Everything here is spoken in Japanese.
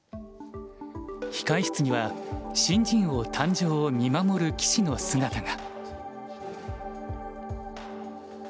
控え室には新人王誕生を見守る棋士の姿が。